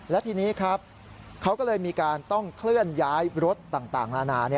และทีนี้ครับเขาก็เลยมีการต้องเคลื่อนย้ายรถต่างนานา